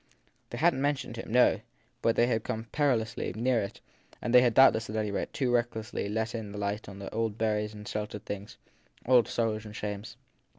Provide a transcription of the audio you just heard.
They hadn t mentioned him, no; but they had come perilously near it, and they had doubtless, at any rate, too recklessly let in the 262 THE THIED PEESON light on old buried and sheltered things, old sorrows and shames.